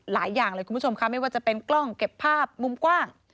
หลายอย่างเลยคุณผู้ชมค่ะไม่ว่าจะเป็นกล้องเก็บภาพมุมกว้าง